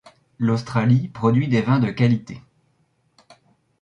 L'Australie produit des vins de qualité.